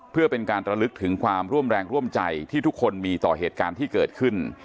เพื่อเป็นการระลึกถึงความร่วมแรงร่วมใจที่ทุกคนมีต่อเหตุการณ์ที่เกิดขึ้น